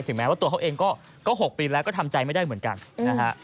แม้ว่าตัวเขาเองก็๖ปีแล้วก็ทำใจไม่ได้เหมือนกันนะฮะ